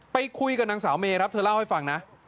ไปคุยกับนางสาวเมครับเธอเล่าให้ฟังนะ